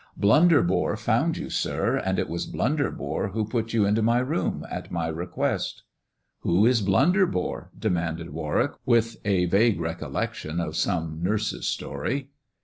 Blunderbore found you, sir, and it was Blund who put you into my room, at my request." " Who is Blunderbore ?" demanded Warwick, n vague recollection of some nurse's story.